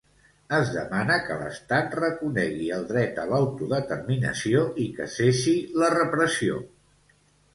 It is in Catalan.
Es demana que l'Estat reconegui el dret a l'autodeterminació i que cessi la repressió.